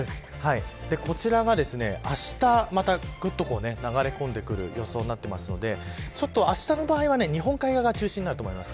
こちらがあした、またぐっと流れ込んでくる予想になっていますのであしたの場合は日本海側が中心になると思います。